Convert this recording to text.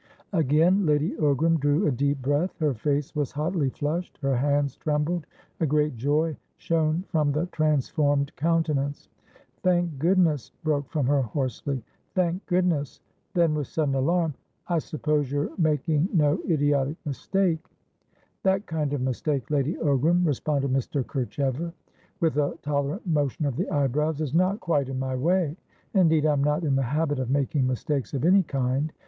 Again Lady Ogram drew a deep breath. Her face was hotly flushed; her hands trembled; a great joy shone from the transformed countenance. "Thank goodness!" broke from her hoarsely. "Thank goodness!" Then, with sudden alarm, "I suppose you're making no idiotic mistake?" "That kind of mistake, Lady Ogram," responded Mr. Kerchever with a tolerant motion of the eyebrows, "is not quite in my way. Indeed, I'm not in the habit of making mistakes of any kind.